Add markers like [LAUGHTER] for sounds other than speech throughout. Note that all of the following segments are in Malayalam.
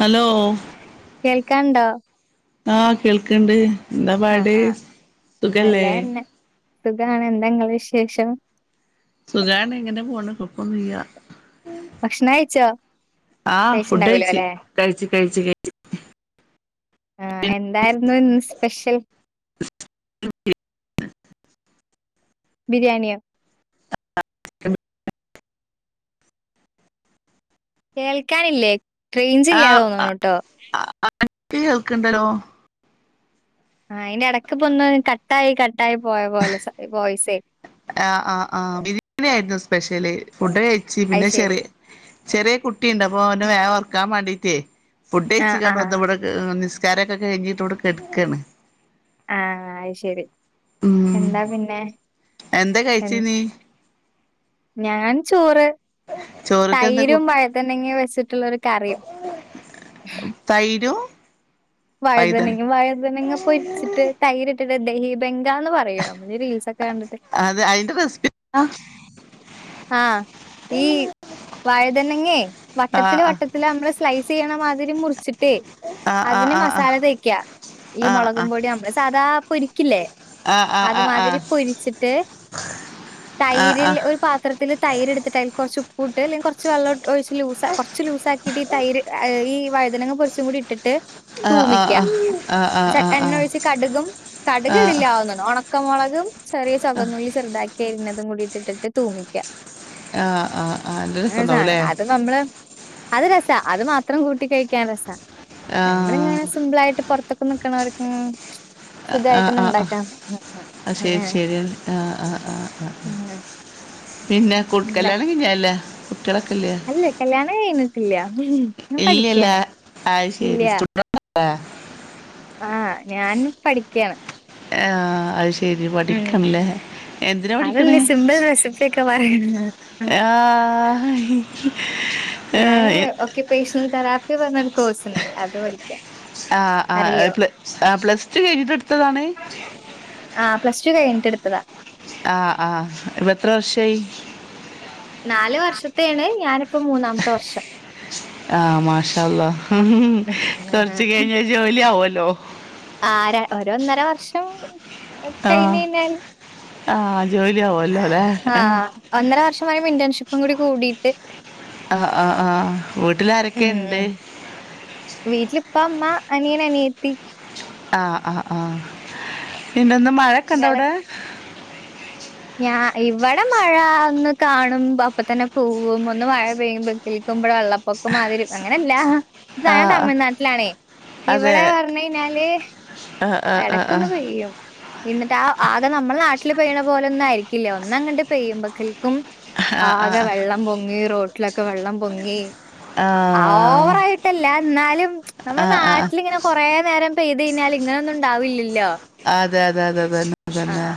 ഹലോ കേൾക്കാണ്ടോ ആ കേൾക്ക്‌ണ്ട് എന്താ ആഹ് പാട് ആഹ് സുഖല്ലേ നല്ലതന്നെ സുഖാണ് എന്താങ്ങള വിശേഷം സുഖാണ് ഇങ്ങനെ പോണ് കൊഴപ്പന്നും ഇല്ല ഭക്ഷണം കഴിച്ചോ ആ ഫുഡ്‌ കഴിച്ചിണ്ടാവൂല കഴിച്ച് ല്ലേ കഴിച്ചു കഴിച്ചു കഴിച്ച് ആ കഴിച്ച് എന്തായിരുന്നു ഇന്ന് സ്പെ സ്പെഷ്യൽ [UNINTELLIGIBLE] ബിരിയാണിയൊ ചിക്കൻ ബിരി [UNINTELLIGIBLE] കേൾക്കാനില്ലേ റേഞ്ച്‌ ഇല്ലാന്ന്തോന്നുണ് ട്ടോ എനിക്ക് കേൾക്ക്‌ണ്ടല്ലോ ആ അതിന്റെ ഇടക്ക് പ്പ ഒന്ന് കട്ടായി കട്ടായി പോയ പോലെ വോയിസേ ആ ആ ആ ബിരിയാണി ആയിരുന്നു സ്പെഷ്യല് ഫുഡ് കഴിച്ച് അത് പിന്നെ ശെരി ചെറിയ ചെറിയ കുട്ടിയുണ്ട് അപ്പൊ അവനെ വേ ഒർക്കാൻ വേണ്ടീട്ടേ ഫുഡ്കഴിച്ച് ആഹ് കാണ്ട് ആഹ് വന്നവിടെ നിസ് ചാരൊക്കെ കഴിഞ്ഞിട്ട് ഇവിടെ കെടുക്കാണ് ആ അയ്ശരി ഉം എന്താ പിന്നെ എന്താ എൻ കഴിച്ച് നീ ഞാൻ ചോറ് ചോറ്ക്കെന്താ തൈരും കൂട്ട് വഴതണങ്ങ വെച്ചിട്ടുള്ളരു കറിയും തൈരും പൈതൽ വഴുതനങ്ങ വഴുതനങ്ങ പൊരിച്ചിട്ട് തൈരി [UNINTELLIGIBLE] ഹീ ബം രാന്ന് പറയോ നമ്മൾ റീൽസ് ഒക്കെ കണ്ടിട്ട് അത് അയിന്റെ റെസിപ്പി ആഹ് ആ ഈ വഴതന്നങ്ങേ വട്ടത്തില് ആഹ് വട്ടത്തില് നമ്മള് സ്ലൈ സീണ മാതിരി മുറിച്ച ട്ടെ ആഹ് അതിന് ആഹ് മസാല ആഹ് തേക്ക ഈ ആഹ് മുളകും പൊടി നമ്മള് സാദാ പൊരിക്കില്ലേ അത് ആഹ് ആഹ് മതിരി ആഹ് ആഹ് പൊരിച്ചിട്ട് തൈരില് ഒരു തില് തൈര് എടുത്തിട്ട് അതില് കുറച്ച് ചുപ്പൂട്ട് അല്ലങ്ക കുറച്ച് വെള്ളട്ട് ഓ ഇച്ചിരി ലൂസ് കുറച്ച് ലൂസാക്കി ടി തൈര് ഈ വയുതനങ്ങ പൊരിച്ചത് കൂടിയിട്ടിട്ട് ആഹ് തൂമിക്ക ആഹ് ആഹ് ച ആഹ് ആഹ് ആഹ് ആഹ് ആഹ് എണ്ണ ഒഴിച്ച് കടുകും കടുകിടില്ലാന്ന് തോന്നുന്നു ഉണക്ക് ഉണക്കമുളകും ചെറിയ ചൊ വന്നുള്ളി ചെറുതാക്കിയരിഞ്ഞതും കൂടിയിട്ടിട്ട് തൂമിക്ക ആ ആ ആ എന്ത സ്വന്തമാവൂലേ അത് നമ്മള് അത് രസാ അത് മാത്രം കൂട്ടി കഴിക്കാൻ രസാ നമ്മളിങ്ങനെ സിംമ്പിളായിട്ട് പുറത് തൊക്കെ നിക്കണാരിക്കും ആ ആ ആ ആ ശരി അങ്ങനെ. ശരി എന്ന ആ ആ ആ ആ ആ പിന്നെ കുടിക്കല്യാണം കഴിഞ്ഞതല്ലേ അല്ലെ കല്യാണം കഴിഞ്ഞ് ഇല്യ ഇല്യല്ല ആ ഇല്ല. ശരി സ്റ്റുഡ വ ആ ഞാൻ പഠിക്കയാണ് ആ അത് ശര് ശെരി ഉം. പഠിക്കണല്ലേ എന്തിനാ പഠിക്കണേ അതല്ലേ സിമ്പിൾ റെസിപ്പിയൊക്കെ പറയണത്. ആ [UNINTELLIGIBLE] ഞാന് ഒക്കെ പേർസണൽ കരാർ പറഞ്ഞൊരു കോഴ്സ്ണ്ട് അത് പഠിക്കാ ആ ആ അറിയോ? പ് ആ പ്ലസ് ടു കഴഞ്ഞിട്ടെടുത്തതാണ് പ്ലസ്ടു കഴിഞ്ഞിട്ടെടുത്തതാ ആ ആ ഇപ്പ എത്ര വർഷായി നാല് വർഷത്തേയാണ് ഞാനിപ്പ മൂന്നാമത്തെ വർഷം ആ മാഷാ അല്ലാഹ് കുറച്ച് വർഷം. കഴിഞ്ഞ് ജോലി ആവുവല്ലോ ഹലോ ആ ര ഒരു ഒന്നര വർഷം ആഹ് കയിഞ്ഞു ഞാൻ ആഹ് ജോലി ആവുല്ലോ അല്ലെ ആ ആഹ് ഒന്നര വർഷമായി ഇന്റേൺഷിപ് അപ്പം കൂടി കൂടിയിട്ട്- ആ ആ ആ വീട്ടിലാരൊക്കെ ഇണ്ട്- വീട്ടില് ഇപ്പ അമ്മ അനിയൻ അനിയത്തി- ആ ആ ആ പിന്നെന്നു- മഴൊക്കെണ്ടൊ ഇങ്ങള് അവിടെ- ഞാ ഇവിടെ മഴ ഒന്ന് കാണുംപ അപ്പ തന്നെ പോവും. ഒന്ന് മഴ പെയ്യുമ്പോ കേൾക്കുമ്പോടെ വെള്ളപ്പൊക്കം മാതിരി അങ്ങനെല്ല ഞാൻ ആഹ് തമിഴ്നാട്ടിലാണേ അതെ ഇവടെ പറഞ്ഞേഞ്ഞാല് ആഹ് ആഹ് ആഹ് എടക്കൊന്ന് പെയ്യും. എന്നിട്ട് ആ ആകെ നമ്മളെ നാട്ടില് പെയ്യ്ണ പോലൊന്നും ആയിരിക്കില്ല്യ ഒന്നങ്ങട്ട് പെയ്യുമ്പക്കൽക്കും ആഹ് ആകെ ആഹ് വെള്ളം പൊങ്ങി റോ ട്ട്ലൊക്കെ വെള്ളം പൊങ്ങി ആഹ് ഓവറായിട്ടല്ല ന്നാലും നമ്മൾ ആഹ് ആഹ് നാട്ടിലിങ്ങനെ കൊറേ നേരം പെയ്തെഴിഞ്ഞാല് ഇങ്ങനൊന്ന്ണ്ടാവില്ല്യല്ലോ അതെ അതെ അതെ അതന്നെ അതന്നെ.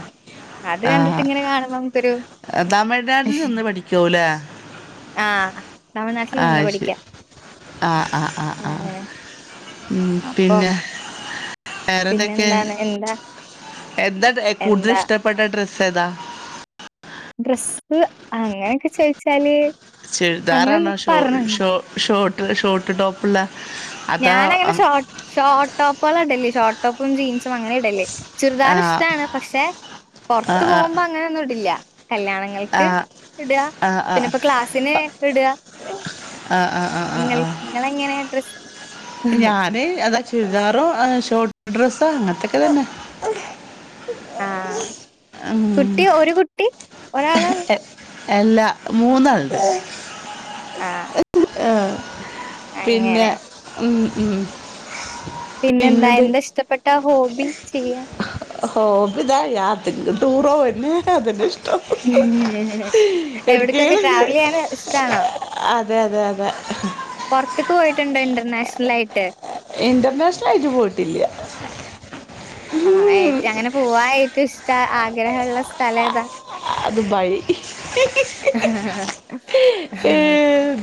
അത് ആ കണ്ടിട്ട് ഇങ്ങനെ കാണുമ്പോ നമുക്കൊരു തമിഴ്നാട്ടിൽ നിന്ന് പഠിക്കാവുലേ ആഹ് തമിഴ്നാട്ടിൽ നിന്ന് ആഹ് ശെരി പഠിക്കാം ആ ആ ആ ആ. അങ്ങനെ. ഉം അപ്പൊ പിന്ന വേറെന്തൊക്കെ പിന്നെന്താണ് എന്താ എന്താ കൂടുതല് എന്താ ഇഷ്ടപ്പെട്ട ഡ്രസ്സേതാ? ഡ്രസ്സ് അങ്ങനൊക്കെ ചോയിച്ചാല് ചുരിദാറാണോ ഷോ ഷോ ഷോ ഷോർട്ട് ടോപ്പ്ളള ഞാാന അങ്ങനെ ഷോ ഷോർട്ടോപ്പോള ഇടല്. ഷോർട്ട്ടോപ്പും ജീൻസും അങ്ങനെ ഇടല്. ആ ചുറുദാർ ഇഷ്ട്ടാണ് പക്ഷെ ആ ആ പുറത്ത് പോകുമ്പോ അങ്ങനൊന്നും ഇടില്ല. ആ ആ കല്യാണങ്ങൾക്ക് ആ ഇട ആ പിന്നെപ്പോ ക്ലാസ്സിന് ഇട. ആ ആ ആ ഇങ്ങൾ ആ ഇങ്ങളെങ്ങനെ ഡ്രസ്സ് ഞാന് അതൊ ചുരിദാറും ഷോർട്ട് ഡ്രസ്സ് അങ്ങനത്തൊക്കെ തന്നെ. ആഹ് [UNINTELLIGIBLE] ഒരാളാ എ- എല്ലാ മൂന്നാൾണ്ട്. ആഹ് ആഹ് പിന്നെ അങ്ങനെ ഉം. ഉം. പിന്നെന്താ പിന്നെന്ത് എന്താ ഇഷ്ടപ്പെട്ട ഹോബിചെയ്യാൻ ടൂറോയിര്ന്ന് അതിൻ്റെ ഷീ എവിടക്കൊക്കെ എവിടേക്കേലും ട്രാവൽ ചെയ്യാന ഇഷ്ടണോ? അതെ അതെ അതെ പുറത്തക്ക് പോയിട്ടുണ്ടോ ഇന്റർനാഷണൽ ആയിട്ട്- ഇന്റർനാഷണൽ ആയിട്ട് പോയിട്ടില്ല്യാ- ആഹ് ആയട്ട് അങ്ങനെ പോവായി- റ്റ് ഇഷ്ട ആഗ്രഹള്ള സ്ഥലം ഏതാ? അതു ബായി- ഏ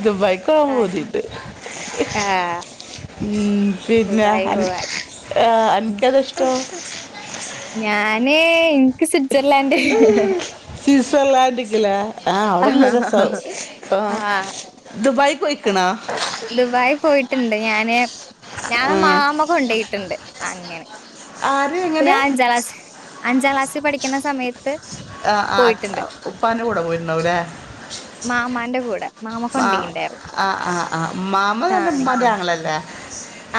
ദുബൈക്കോപോവാൻ ആഹ് പൂതിൻഡ് ആഹ് പിന്ന ദുബായി പോവാൻ അനക്ക് അധ് ഇഷ്ടാ- ഞാന് എനിക്ക് സി സിറ്റ്സർലൻഡിങ്ങില അവിടെല്ലെ രസം ആഹ് ആ പോയിക്കണ ദുബായി പോയിട്ടുണ്ട് ഞാന് ഞാൻ ആ മാമ്മ കൊണ്ടോയി ട്ട്ണ്ട് അങ്ങനെ ആര് ഇപ്പ എങ്ങനെ ഞാൻ അഞ്ചാം ക്ലാസ് അഞ്ചാം ക്ലാസിൽ പഠിക്കുന്ന സമയത്ത് ആഹ് ആ പോയിട്ടുണ്ട്. ഉപ്പാന്റെ കൂടെ പോയിരുന്നാവല്ലേ മാമാന്റെ കൂടെ മാമ മാ കൊണ്ടോയിണ്ടായിരുന്നു ആഹ് ആഹ് ആഹ് മാമ തന്റെ മ്മാന്റെ ആങ്ങളല്ലെ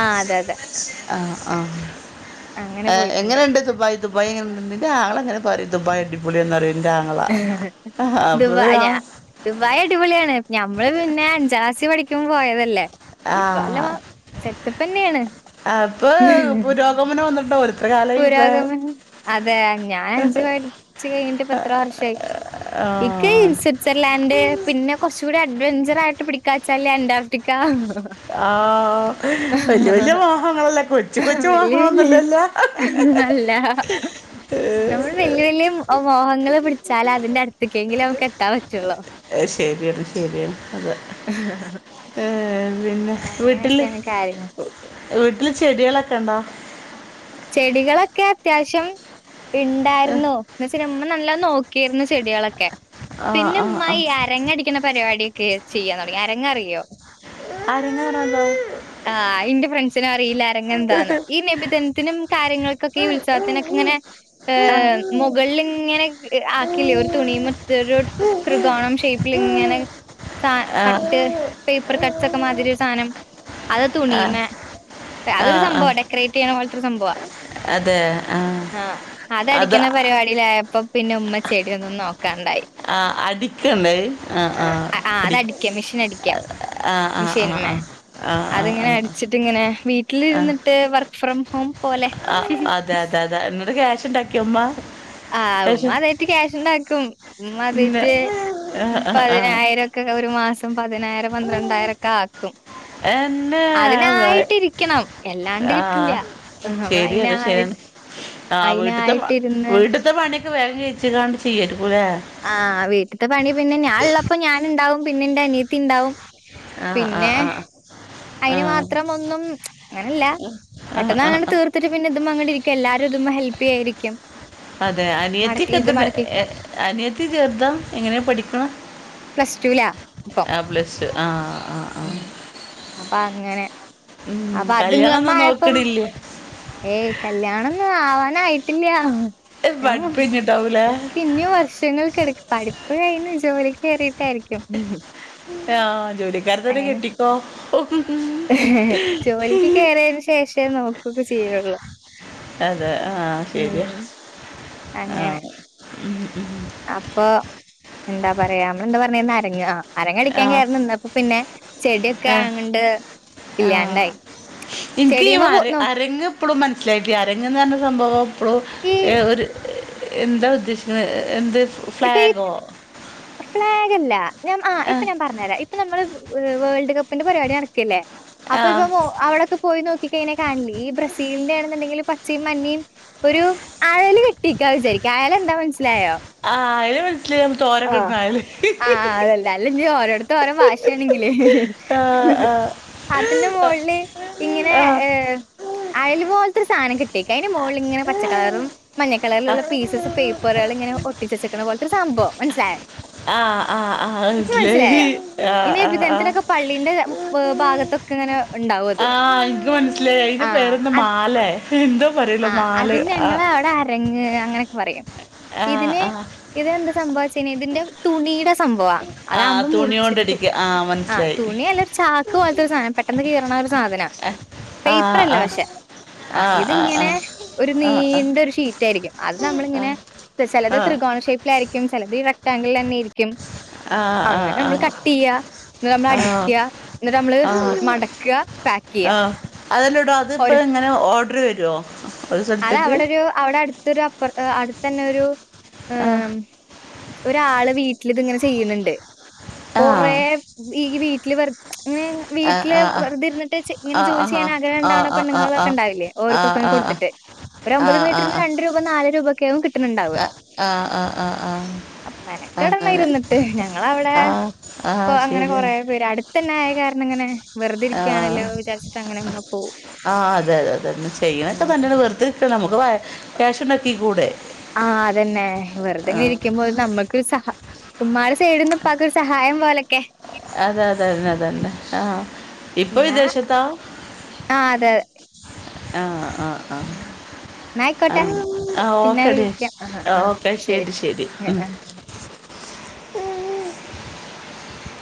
ആ അതെ അതെ ആ ആ അങ്ങനെ പോയിട്ടുണ്ട്. എങ്ങനെണ്ട് ദുബായ് ദുബായ് എങ്ങനൊണ്ട് നിൻ്റെ ആങ്ങള പറിന്ന് ദുബായ് അടിപൊളിയാന്നറിയും ദുബായ ആ ഞാ ദുബായി അടിപൊളിയാണ് ഞമ്മള് പിന്നെ അഞ്ചാം ക്ലാസി പഠിക്കുമ്പോ പോയതല്ലേ ഇപ്പ അല്ല ആഹ് സെറ്റപ്പന്നെയാണ്. അപ്പോ പുരോഗമനം ഒന്നും [UNINTELLIGIBLE] പുരോഗമനം അതെ ഞാൻ അഞ്ചു പഠിച്ച് കഴിഞ്ഞിട്ട് ഇപ്പ എത്ര വർഷമായി ആ ഇക്ക്‌ സ്വിറ്റ്സർലാൻഡ് പിന്നെ കുറച്ചു കൂടി അഡ്വെൻചറാ യിട്ട് പിടിക്കാച്ചാല് അന്റാർട്ടിക്ക ആ വലിയ വല്യ മോഹങ്ങളല്ല കൊച്ചു കൊച്ചു വല്യ മോഹങ്ങളൊന്നുമല്ലല്ല അല്ല നമ്മൾ വലിയ വലിയ മോഹങ്ങൾ പിടിച്ചാല അതിന്റെ അടുത്തേക്കെങ്കില നമുക്ക് എത്താൻ പറ്റുള്ളൂ. ശെരിയാണ് ശരിയാണ് അതെ ഏർ പിന്നെ വീട്ടില് അങ്ങനെയൊക്കെയാണ് കാര്യങ്ങൾ. വീട്ടില് ചെടികളൊക്കെ ഉണ്ടോ ചെടികളൊക്കെ അത്യാവശ്യം ഏ, ഇണ്ടായിർന്നു നമ നല്ല നോക്കിയിർന്ന് ചെടികളൊക്കെ ആ പിന്നെ ആ ഇമ്മ ആ ഈ അരങ്ങടിക്കുന്ന പരിപാടി ക്കെ ചെയ്യാൻതുടങ്ങി അരെങ്ങ്അറിയോ അരങ്ങാറാലോ ആ ഇന്റെ ഫ്രണ്ട്സിന് അറിയില്ല ആരങ്ങ്എന്താന്ന് ഈ നബിദിൻ കാര്യങ്ങൾക്കൊക്കെ ഈ ഉത്സവത്തിനൊക്കെ ഇങ്ങനെ ആ മുകളിൽ ഇങ്ങനെ ആക്കില്ലേ ഒരു തുണി മറ്റരു ത്രികോണം ഷേപ്പിൽ ഇങ്ങനെ അ ആ കട്ട് പേപ്പർ കട്ട്സ് ഒക്കെ മാതിരി ഒരു സാധനം അത് ആ തുണിയമേ ആ അതൊരു ആ സംഭവ ഡെക്കറേറ്റ് ചെയ്യണ പോലത് ഒരു സംഭവം ആ അത് അതടിക്കണ പരിപാടില്ലേ അപ്പൊ പിന്നെ ഉമ്മ ചെടി ഒന്നും നോക്ക ആ അടിക്കണ്ട ആ ആ അടി ക്യാ ആ ആ ആ ആ മിഷീനെ ആ ആ അതിങ്ങനെ ആ അടിച്ചിട്ടിങ്ങനെ ആ വീട്ടിലിര്ന്നിട്ട് വർ ഫ്രം ഹ [UNINTELLIGIBLE] ആ അതെ അതെ അതെ എന്നോട്ട ക്യാഷ് ഇണ്ടാക്കിയമ്മ ആ ഉമ അതായിട്ട് ക്യാഷ് ഇണ്ട ആക്കും ഉമ്മ ഇന്ന് അതിട്ട് ആ ആ ആ പതിനായിരംക്കെ ഒരു മാസം പതിനായിരം പന്ത്രണ്ടായിരം ഒക്കെ ആക്കും എന്നെ അതിനായിട്ടിരിക്കണം എല്ലാണ്ട് ആ കിട്ടില്ല ശരിയാണ് നമ്മളയ്നായി ശരിയാണ് അയിനായിട്ടിരുന്ന് ഇത്ര പണിയൊക്കെ വേം കഴച്ചുകാണ്ട് ചെയ്യലും ആ വീട്ടത്തെ പണി പിന്നെ ഞാനുള്ളപ്പോ ഞാനൻ ഉണ്ടാവും പിന്നെ എന്റെ അനിയത്തി ഉണ്ടാവും അ അ അ അതിന് മാത്രം ഒന്നും അങ്ങനല്ല ആഹ് പെട്ടെന്ന് ആഹ് അങ്ങെ ആഹ് തീർത്തിട്ട് പിന്നെ തും അങ്ങട്ട്ഇരിക്ക എല്ലാരും ഇതും ഹെൽപ്പ് ചെയ ആയിരിക്കും അതെ അനിയത്തി ക അനിയത്തി ചേർതഎങ്ങനെയാ പഠിക്കണം പ്ലസ് ടൂലാ ഇപ്പം ആ പ്ലറ്റു അ അ അ ഇങ്ങനെ അപ്പ അതിങ്ങ് അമ്മ ആയപ്പം നോക്ക്ണില്ലേ ഏയ് കല്യാണംന്ന് ആവാനായി കല്യാണം മ് ഞാൻ [UNINTELLIGIBLE] പഠിപ്പയ്ഞ്ഞിട്ടാവൂലേ എക്ക് ഇനീ വർഷങ്ങൾ കെടക്ക് പഠിപ്പ് കഴിഞ്ഞ് ജോലി കേറീം എ ആഹ് ജോലിക്കാര തന്നെ അങ്ങനെ കെട്ടിക്കോ ഓ ജോലിക്ക് കേറിയതിനു ശേഷേ നോക്കൊക്കെ ചെയ്യെ ഒള്ളൂ അതെ ആഹ് ശെരിയാ ഉം അങ്ങനെ ഉം ഉം അപ്പൊ എന്താ പറയാ നമ്മള് എന്ത് പറഞ്ഞേന്നാ അരങ്ങ് ആ അരങ്ങടിക്കാൻ ആഹ് കേറി നിന്നപ്പം പിന്നെ ചെടിയൊക്കെ ആഹ് അങ്ങണ്ട് ഇല്യാണ്ടായി. ആഹ് ചെടീമ്മ പൂ ന്നു പോന്നോ പ്പൊളും മനസ്സിലായിട്ടില്ല അരങ്ങന തഞ്ഞാണ് സംഭവം പ്പ്ളോ ഈ ഏ ഒര് എന്താ ഉദ്ദേശിക്കണേ ഏ എന്ത് ഇപ്പ ഫ്ലാഗോ ഈത് ഫ്ളാഗ് അല്ല ഞാമ് ആഹ് ആ ഇപ്പ ഞാൻ പറഞ്ഞരാ ഇപ്പ ഞമ്മള് പ് വേ വേൾഡ് കപ്പിന്റെ പരിപാടി നടക്ക്അല്ലേ അപ്പ ആ ഇപ്പൊ മോ അവിടൊക്ക പോയി നോക്കിക്കയിനെ കാണില്ലേ ഈ ബ്രസീലിന്റെ ആണെന്നുണ്ടെങ്കിലും പച്ചേം മഞ്ഞേം ഒരു ആയല് കെട്ടിക്കാ വിചാരിക്ക ആയലെന്താ മനസ്സിലായോ ആ അതിന് മനസ്സിലായി നമ്മൾ അ തോരൊക്കെ ഇടുന്ന ആള് അ അ അതെല്ലെ അല്ല ഇഞ്ഞി ഓരോടത്ത് ഓരോ ഭാഷേണങ്കില് ആ അതിന്റെ മോളില് ഇങ്ങനെ ആ ആ ഏർ അയല് പോല്ത്തൊരു സാ അനം കിട്ടി ക്കേനു മോളിലിങ്ങനെ പച്ചക്കളറും മഞ്ഞ കളറിലുള്ള പീസസ് പേപ്പറേള് ഇങ്ങനെ ഒട്ടിച്ചെച്ച ക് ക്കണപോലത്തൊര് സംഭവം മനസ്സിലായ അ അ അ മനസിലായി ഹി അ അ അ വ് ഭാഗത്തൊക്ക ഇങ്ങനെ ഉണ്ടാവും അത്. ആഹ് എനിക്ക് മനസ്സിലേ അയിന്റെ ആഹ്. പേരെന്ത് അത് മാലേ എന്താ പറയോല മാലേ ആ എ അങ്ങനെയൊക്ക പറയാം ആ ഇതിനെ ആ ഇതിനെന്ത് സംഭവച്ചേനെ ഇതിന്റെ തുണിയുടെ സംഭവാ ആ അതാകുമ്പോ തുണി മുറിച്ചിട്ടു കൊണ്ടടിക്കുക ആ ആഹ് മനസ്സിലായി തുണി അല്ലരു ചാക്ക് പോലത്ത ഒരു സാധനം പെ പെട്ടെന്ന് കേറണ ഒരു സാധനം ആഹ് ആ ആഹ് ആഹ് ആ ഒരു നീണ്ട ഒരു ഷീറ്റായിരിക്കും അത് നമ്മളിങ്ങനെ ചിലത് ത്രി കോണ ഷേപ്പിലായിരിക്കും ചിലതീ റെക്ട്ടാങ്കിളിന്നേര്ക്കും അങ്ങനെ നമ്മൾ കട്ടെയ്യാ എന്നിട്ട് നമ്മൾ അടിക്കുക എന്നിട്ട നമ്മൾ മടക്കുക പാക്ക് ചെയ്യ അതല്ലെടോ അത് ഇപ്പെ എങ്ങനെ ഓർഡർ വരേ അതവിടൊരു അവിടെ അപ്പുറത്ത് അടുത്തെന്നെ ഒരു ആ മ് ഒരാള് വീട ഇതിങ്ങനെ ചെയ്യ്ന്ന്ണ്ട് ആ കൊറേ ഈ ലിവർ ഇങ്ങന ആ വീട്ടില് ആ ആ വെറ്തെ ഇരുന്നിട്ട് ചെ ഇങ്ങനെ ആ ജോലി ആ ചെയ്യാൻ ആ ആ ആ ആ ആ ആ ആ ആഗ്രഹാണ്ടാവ്ണ ആ പെണ്ണ്ങ്ങൾ ഒക്കെ ഇണ്ടാവില്യേ ഓര്ക്കൊക്കെ ആ കൊടുത്തി ഒരു അമ്പത് മീറ്ററിന് രണ്ട് രൂപ നാ നാലു രൂപയ്ക്ക് ആവും കിട്ടുക കിട്ട്ണണ്ടാവാ ആ ആ ആ അപ്പൊമെനക്കെടണം അങ്ങനെ ഇരിന്നിട്ട് ഞങ്ങളവടെ ആ ആ ഇപ്പൊ അങ്ങനെ കൊറേ ശരിയാണ് പേര് അടുത്തന്നെ കേർണ ഇങ്ങനെ വെറുതെ അ ഇരിക്കുകയാണല്ലോ വിചാരിച്ചിട്ട് അങ്ങനെ ഉമ്മ പോവും. അതെ അതെ തെ ചെയ്യുന്നതൊക്കെ ഉം നല്ലതന്നെ നമ്മുക്ക് ക്യാഷ് ഉണ്ടാക്കികൂടെ ആഹ് അതന്നെ വെറുതെങ്ങെനെ ഇരിക്കുമ്പോ നമ്മക്ക് ഉമ്മാര് ചെയ്യുന്നത് ഉപ്പാക്ക് സഹായം പോലെ അത അതെന്നെ അതന്നെ ആഹ ഇപ്പൊ എന്നാ വിദേശത്താ ആ അതെ അതെ ആഹ അ ഉം. എന്നാ അ അ ആയിക്കോട്ടെ അ പിന്നെ ഓക്കെ ഡി വിളിക്കാം ആ ആ ഓക്കെ ശരി ശരി ആ മ് ആ. മ്